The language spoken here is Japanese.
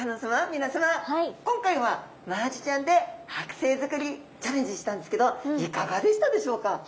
皆さま今回はマアジちゃんではく製づくりチャレンジしたんですけどいかがでしたでしょうか？